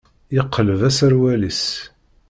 Yeqleb aserwal-is.